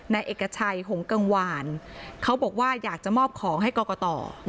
นายเอกชัยหงกังวานเขาบอกว่าอยากจะมอบของให้กรกต